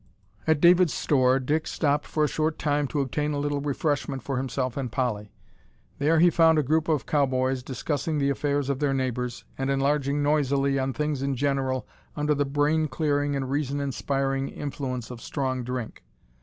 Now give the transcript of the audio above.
At David's store Dick stopped for a short time to obtain a little refreshment for himself and Polly. There he found a group of cow boys discussing the affairs of their neighbours, and enlarging noisily on things in general under the brain clearing and reason inspiring influence of strong drink!